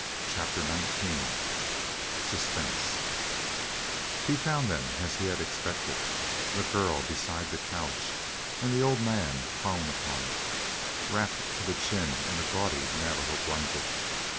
CHAPTER XIX SUSPENSE He found them as he had expected, the girl beside the couch, and the old man prone upon it, wrapped to the chin in a gaudy Navajo blanket.